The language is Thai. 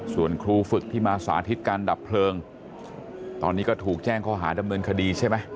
ส่วนครูฝึกที่มาสาธิตการดับเพลิงตอนนี้ก็ถูกแจ้งข้อหาดำเนินคดีใช่ไหม